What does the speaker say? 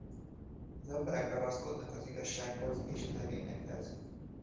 Az emberek ragaszkodnak az igazsághoz és az erényekhez.